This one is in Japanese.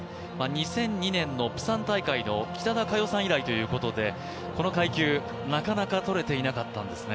２００２年のプサン大会以来ということでこの階級、なかなか取れていなかったんですね。